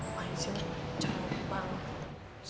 pahit sih coklat banget